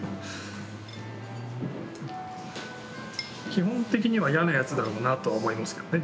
基本的には嫌なやつだろうなとは思いますけどね